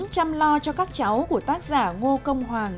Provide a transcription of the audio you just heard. chăm lo cho các cháu của tác giả ngô công hoàng